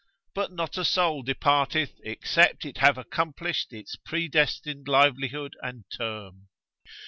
But not a soul departeth except it have accomplished its predestined livelihood and term.